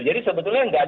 jadi sebetulnya nggak